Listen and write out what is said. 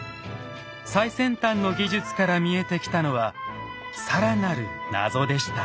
最先端の技術から見えてきたのは更なる謎でした。